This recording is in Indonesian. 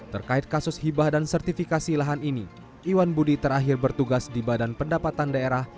terkait kasus hibah dan sertifikasi lahan ini iwan budi terakhir bertugas di badan pendapatan daerah